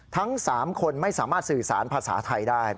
ทั้ง๓คนไม่สามารถสื่อสารภาษาไทยได้